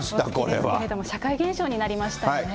社会現象になりましたよね。